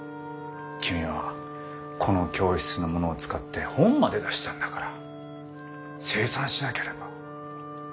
君はこの教室のものを使って本まで出したんだから清算しなければ。